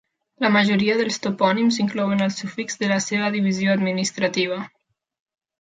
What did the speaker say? La majoria dels topònims inclouen el sufix de la seva divisió administrativa.